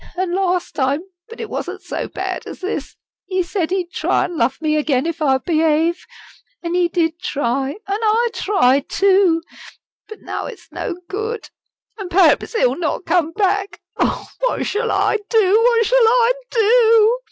An' last time but it wasn't so bad as this he said he'd try an' love me again if I'd behave. An' he did try and I tried too. But now it's no good, an' perhaps he'll not come back. Oh, what shall I do? what shall I do!"